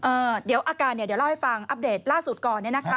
เออเดี๋ยวอาการเดี๋ยวเล่าให้ฟังอัปเดตล่าสุดก่อน